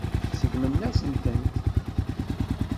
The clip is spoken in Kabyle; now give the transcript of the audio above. Seggmen-asent-tent.